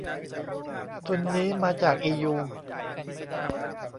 ทุนนี้มาจากอียู